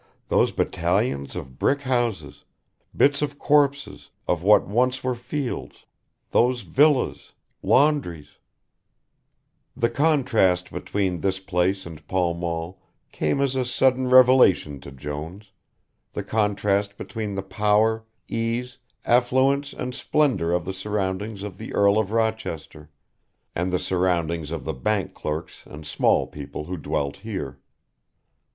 Those battalions of brick houses, bits of corpses, of what once were fields; those villas, laundries The contrast between this place and Pall Mall came as a sudden revelation to Jones, the contrast between the power, ease, affluence and splendour of the surroundings of the Earl of Rochester, and the surroundings of the bank clerks and small people who dwelt here.